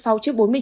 xếp thứ ba asean